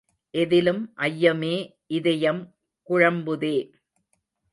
எதிலும் ஐயமே இதயம் குழம்புதே.